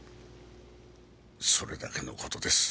それだけの事です。